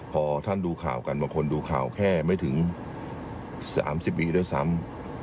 พอท่านดูข่าวกันบางคนดูข่าวแค่ไม่ถึง๓๐ปีด้วยซ้ำ